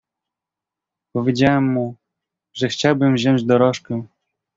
"Powiedziałem mu, że chciałbym wziąć dorożkę."